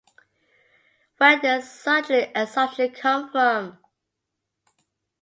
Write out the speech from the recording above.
Where does such an assumption come from?